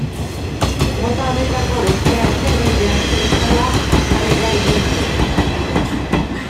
Mota honetako beste asteroide asko bezala, azalera iluna du.